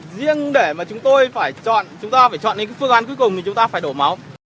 riêng để mà chúng ta phải chọn đến phương án cuối cùng thì chúng ta phải đổ máu